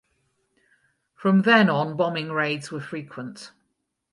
From then on bombing raids were frequent.